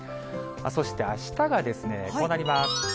そしてあしたがこうなります。